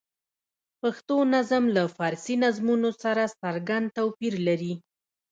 پښتو نظم له فارسي نظمونو سره څرګند توپیر لري.